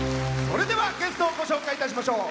それではゲストをご紹介いたしましょう。